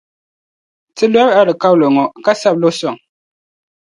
ti lɔri alikauli ŋɔ, ka sabi li sɔŋ.